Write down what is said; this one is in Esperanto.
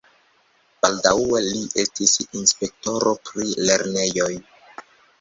Baldaŭe li estis inspektoro pri lernejoj.